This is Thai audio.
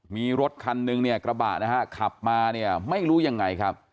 มีรถคันนึงเนี่ยกระบะนะฮะขับมาเนี่ยไม่รู้ยังไงครับ